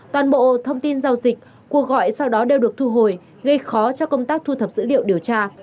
toàn bộ thông tin giao dịch cuộc gọi sau đó đều được thu hồi gây khó cho công tác thu thập dữ liệu điều tra